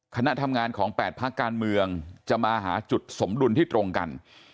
คณะทำงานของ๘พักการเมืองจะมาหาจุดสมดุลที่ตรงกัน